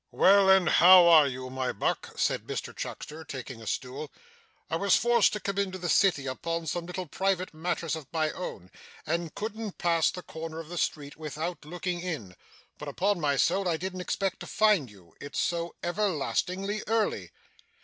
'Well, and how are you my buck?' said Mr Chuckster, taking a stool. 'I was forced to come into the City upon some little private matters of my own, and couldn't pass the corner of the street without looking in, but upon my soul I didn't expect to find you. It is so everlastingly early.